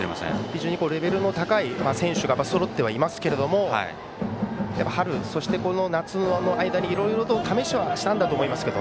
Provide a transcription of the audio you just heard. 非常にレベルの高い選手がそろってはいますけども春、この夏の間にいろいろと試しはしたと思います。